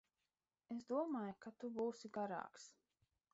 Es domāju, ka tu būsi garāks.